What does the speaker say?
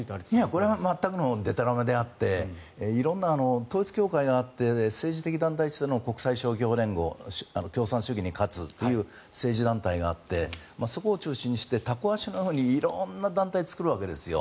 これは全くのでたらめであって色んな統一教会があって政治的団体、国際勝共連合共産主義に勝つという政治団体があってそこを中心にしてタコ足のように色んな団体を作るわけですよ。